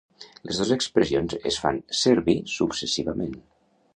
Les dos expressions es van fer servir successivament.